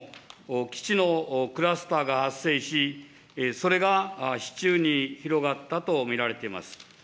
沖縄でも山口、広島でも基地のクラスターが発生し、それが市中に広がったと見られています。